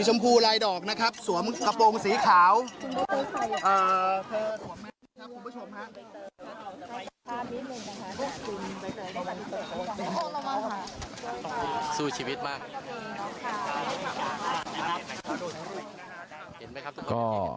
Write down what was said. สู้ชีวิตมาก